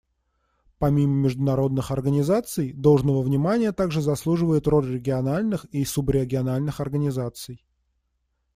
Помимо международных организаций, должного внимания также заслуживает роль региональных и субрегиональных организаций.